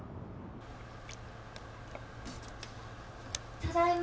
・ただいま。